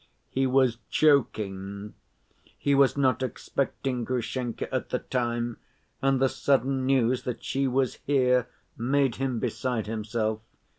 He was choking. He was not expecting Grushenka at the time, and the sudden news that she was here made him beside himself.